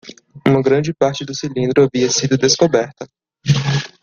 Uma grande parte do cilindro havia sido descoberta.